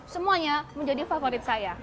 semuanya menjadi favorit saya